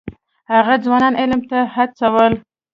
هغه ځوانان علم ته هڅول.